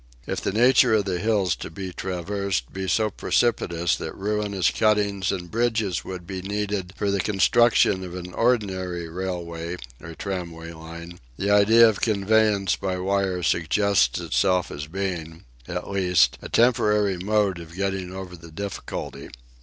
If the nature of the hills to be traversed be so precipitous that ruinous cuttings and bridges would be needed for the construction of an ordinary railway or tramway line, the idea of conveyance by wire suggests itself as being, at least, a temporary mode of getting over the difficulty.